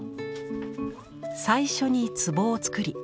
最初に壷を作り